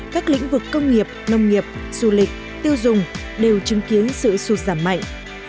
các lĩnh vực công nghiệp nông nghiệp du lịch tiêu dùng đều chứng kiến sự sụt giảm mạnh